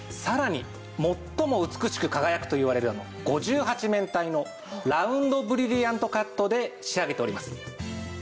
さらに最も美しく輝くといわれる５８面体のラウンドブリリアントカットで仕上げております。